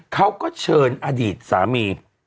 เขาก็เชิญอดีตสามี